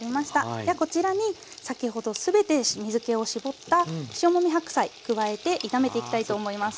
ではこちらに先ほど全て水けを絞った塩もみ白菜加えて炒めていきたいと思います。